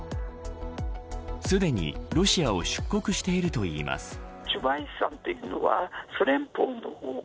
すでにロシアを出国しているといいます。